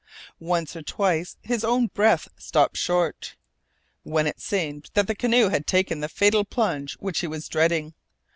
Once or twice his own breath stopped short, when it seemed that the canoe had taken the fatal plunge which he was dreading.